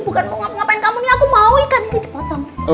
bukan ngapain kamu nih aku mau ikan ini dipotong